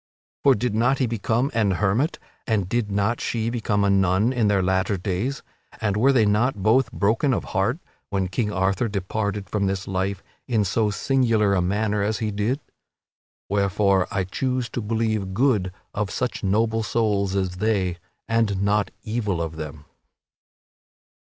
For did not he become an hermit, and did not she become a nun in their latter days, and were they not both broken of heart when King Arthur departed from this life in so singular a manner as he did? Wherefore I choose to believe good of such noble souls as they, and not evil of them.